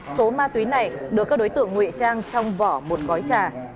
số ma túy này được các đối tượng nguy trang trong vỏ một gói trà